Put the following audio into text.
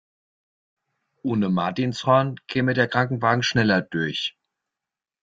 Ohne Martinshorn käme der Krankenwagen schneller durch.